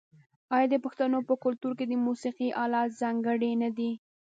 آیا د پښتنو په کلتور کې د موسیقۍ الات ځانګړي نه دي؟